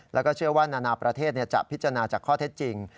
แล้วก็เชื่อว่านานาประเทศจะพิจารณาจากข้อเท็จจริง